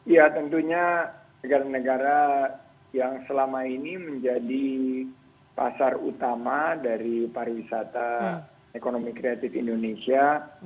ya tentunya negara negara yang selama ini menjadi pasar utama dari pariwisata ekonomi kreatif indonesia